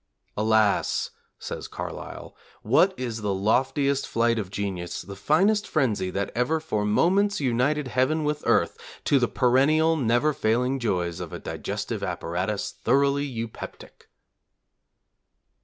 'Alas,' says Carlyle, 'what is the loftiest flight of genius, the finest frenzy that ever for moments united Heaven with Earth, to the perennial never failing joys of a digestive apparatus thoroughly eupeptic?'